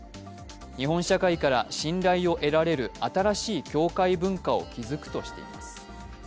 日本社会から信頼を得られる新しい教会文化を築くとしています。